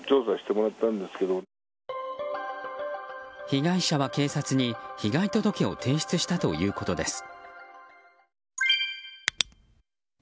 被害者は警察に被害届を提出したということです。